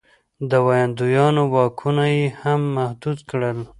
د ویاندویانو واکونه یې هم محدود کړل.